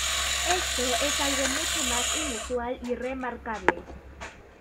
Esto es algo mucho más inusual y remarcable.